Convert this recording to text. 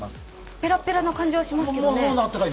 ペラッペラの感じがしますけどね。